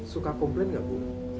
suka komplain nggak bu